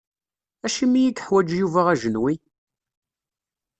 Acimi i yeḥwaǧ Yuba ajenwi?